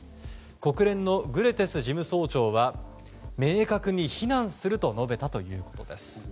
国連のグテーレス事務総長は明確に非難すると述べたということです。